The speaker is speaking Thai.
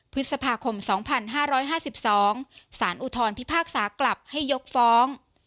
พฤษภาคม๒๕๕๒สารอุทธรพิพากษากลับให้ยกฟ้อง